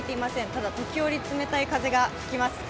ただ時折、冷たい風が吹きます。